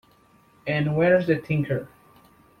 And where's the tinker?